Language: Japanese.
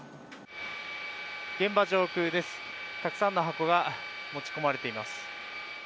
現場上空です、たくさんの箱が持ち込まれています。